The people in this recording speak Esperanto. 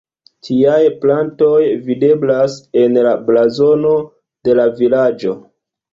Tiaj plantoj videblas en la blazono de la vilaĝo.